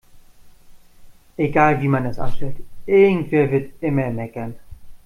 Egal wie man es anstellt, irgendwer wird immer meckern.